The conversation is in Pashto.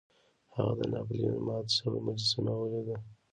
هغه د ناپلیون ماته شوې مجسمه ولیده.